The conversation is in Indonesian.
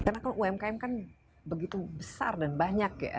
karena umkm kan begitu besar dan banyak ya